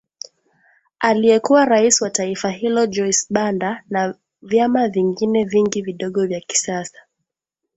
aliyekuwa rais wa taifa hilo Joyce Banda na vyama vingine vingi vidogo vya kisiasa